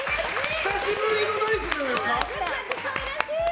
久しぶりのナイスじゃないですか。